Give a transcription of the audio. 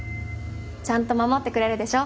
ちゃんと守ってくれるでしょ